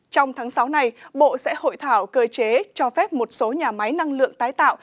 trong tháng sáu này bộ sẽ hội thảo cơ chế cho phép một số nhà máy năng lượng tái tạo